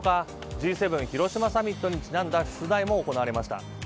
Ｇ７広島サミットにちなんだ出題も行われました。